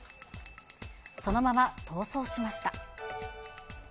そのまま逃走しました。